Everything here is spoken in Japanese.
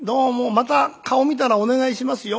また顔見たらお願いしますよ。